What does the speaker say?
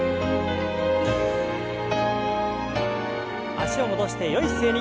脚を戻してよい姿勢に。